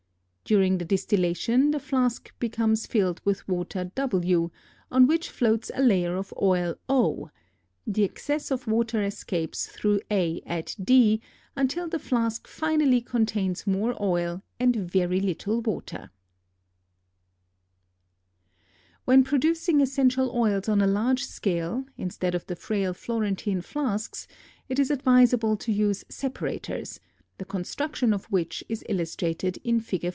During the distillation the flask becomes filled with water W, on which floats a layer of oil O; the excess of water escapes through a at d until the flask finally contains more oil and very little water. [Illustration: FIG. 13.] When producing essential oils on a large scale, instead of the frail Florentine flasks it is advisable to use separators, the construction of which is illustrated in Fig.